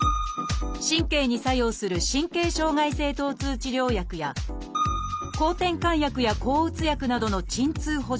神経に作用する神経障害性疼痛治療薬や抗てんかん薬や抗うつ薬などの鎮痛補助薬。